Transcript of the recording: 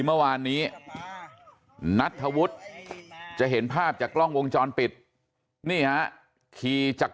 เมื่อวานนี้นัทธวุฒิจะเห็นภาพจากกล้องวงจรปิดนี่ฮะขี่จาก